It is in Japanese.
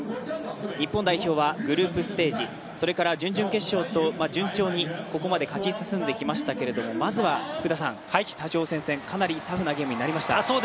日本代表はグループステージ、それから準々決勝と順調に、ここまで勝ち進んできましたけどもまずは北朝鮮戦、かなりタフなゲームになりました。